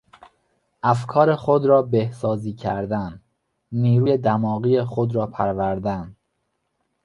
افکار خود را بهسازی کردن، نیروی دماغی خود را پروردن